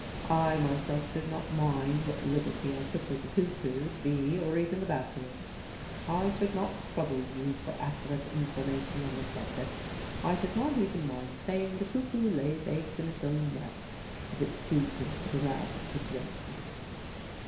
"I myself should not mind what liberty I took with the cuckoo, the bee, or even the basilisk. I should not trouble you for accurate information on the subject; I should not even mind saying the cuckoo lays eggs in its own nest if it suited the dramatic situation."